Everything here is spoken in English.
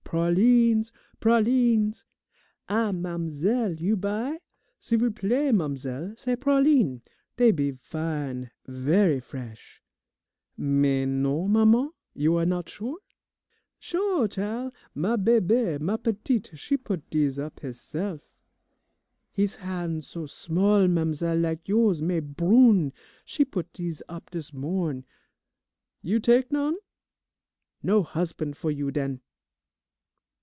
"Pralines, pralines. Ah, ma'amzelle, you buy? S'il vous plait, ma'amzelle, ces pralines, dey be fine, ver' fresh. "Mais non, maman, you are not sure? "Sho', chile, ma bebe, ma petite, she put dese up hissef. He's hans' so small, ma'amzelle, lak you's, mais brune. She put dese up dis morn'. You tak' none? No husban' fo' you den!